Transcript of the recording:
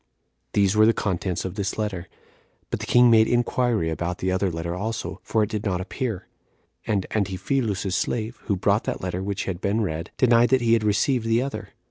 These were the contents of this letter; but the king made inquiry about the other letter also, for it did not appear; and Antiphilus's slave, who brought that letter which had been read, denied that he had received the other.